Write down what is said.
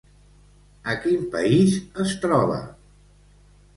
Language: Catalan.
A quin país es troba?